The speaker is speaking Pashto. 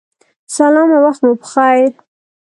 سلام او وخت مو پخیر